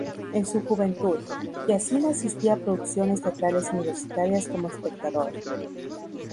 En su juventud, Yassin asistía a producciones teatrales universitarias como espectador.